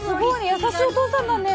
優しいお父さんだね。